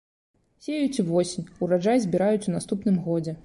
Сеюць увосень, ураджай збіраюць у наступным годзе.